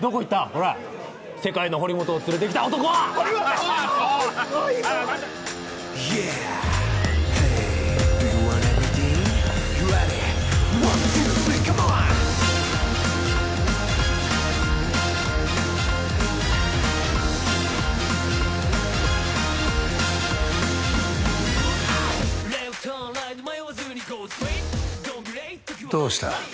ほら世界の堀本を連れてきた男はどうした？